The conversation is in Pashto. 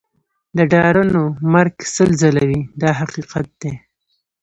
د ډارنو مرګ سل ځله وي دا حقیقت دی.